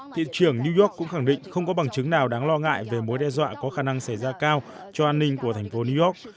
thị trưởng new york cũng khẳng định không có bằng chứng nào đáng lo ngại về mối đe dọa có khả năng xảy ra cao cho an ninh của thành phố new york